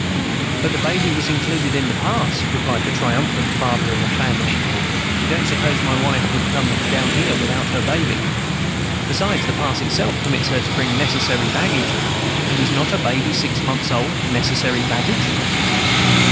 "But the baby was included in the pass," replied the triumphant father of a family. "You don't suppose my wife would come down here without her baby! Besides, the pass itself permits her to bring necessary baggage, and is not a baby six months old necessary baggage?"